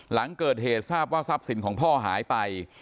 หลังเกิดเหตุทราบว่าทรัพย์สินของพ่อหายไป